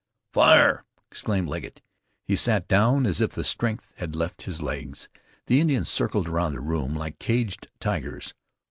"Fire!" exclaimed Legget. He sat down as if the strength had left his legs. The Indians circled around the room like caged tigers.